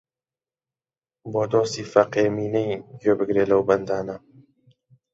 بۆ دۆستی فەقێ مینەی گوێ بگرێ لەو بەندانە